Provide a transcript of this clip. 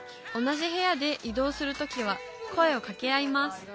同じ部屋で移動する時は声をかけ合います